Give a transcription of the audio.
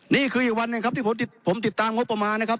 นี่คืออีกวันหนึ่งครับที่ผมติดตามงบประมาณนะครับ